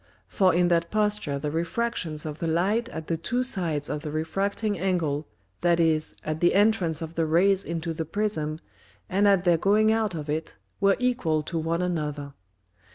For in that Posture the Refractions of the Light at the two Sides of the refracting Angle, that is, at the Entrance of the Rays into the Prism, and at their going out of it, were equal to one another.